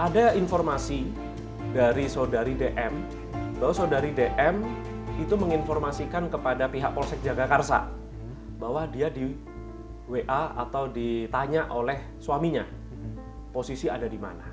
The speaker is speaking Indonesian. ada informasi dari saudari dm bahwa saudari dm itu menginformasikan kepada pihak polsek jagakarsa bahwa dia di wa atau ditanya oleh suaminya posisi ada di mana